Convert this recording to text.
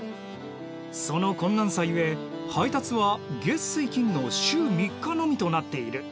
その困難さゆえ配達は月・水・金の週３日のみとなっている。